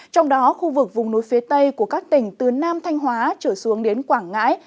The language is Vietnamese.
trong đó khu vực vùng núi phía tây của các tỉnh từ nam thanh hóa trở xuống đến quảng ngãi